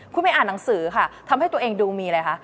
คุณไปอ่านหนังสือค่ะทำให้ตัวเองดูมีอะไรคะ